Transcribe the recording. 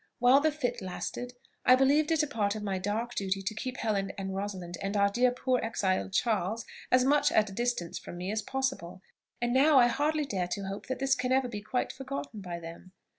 While the fit lasted, I believed it a part of my dark duty to keep Helen and Rosalind, and our poor exiled Charles, as much at a distance from me as possible; and now I hardly dare to hope that this can ever be quite forgotten by them.